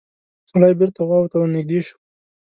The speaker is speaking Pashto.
سړی بېرته غواوو ته ورنږدې شو.